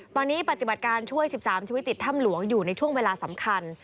ตอนนี้ปฏิบัติการช่วย๑๓ชีวิตติดถ้ำหลวงอยู่ในช่วงเวลาสำคัญ